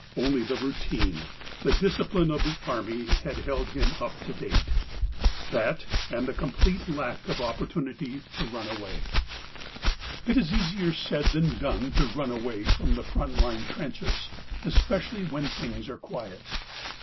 Only the routine, the discipline of the army had held him up to date, that and the complete lack of opportunity to run away. 126 THE COWARD It is easier said than done to run away from the front line trenches, especially when things are quiet.